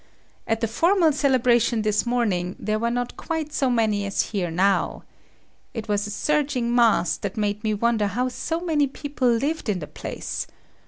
At the formal celebration this morning there were not quite so many as here now. It was surging mass that made me wonder how so many people lived in the place.